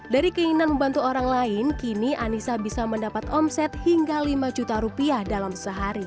dari keinginan membantu orang lain kini anisa bisa mendapat omset hingga rp lima dalam sehari